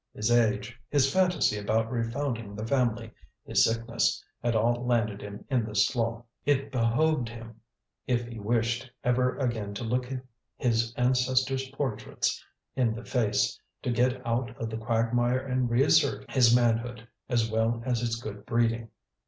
His age, his fantasy about refounding the family, his sickness, had all landed him in this slough. It behoved him, if he wished ever again to look his ancestors' portraits in the face, to get out of the quagmire and reassert his manhood as well as his good breeding.